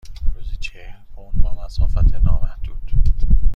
روزی چهل پوند با مسافت نامحدود.